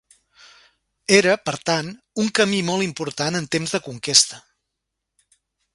Era, per tant, un camí molt important en temps de conquesta.